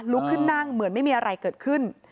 ลุกขึ้นนั่งเหมือนไม่มีอะไรเกิดขึ้น